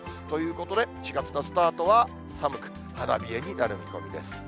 ということで、４月のスタートは寒く、花冷えになる見込みです。